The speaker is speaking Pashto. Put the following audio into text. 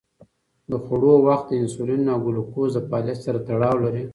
د خوړو وخت د انسولین او ګلوکوز د فعالیت سره تړاو لري.